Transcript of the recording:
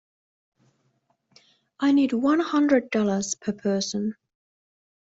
I need one hundred dollars per person.